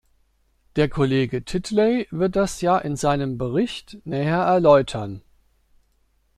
Der Kollege Titley wird das ja in seinem Bericht näher erläutern.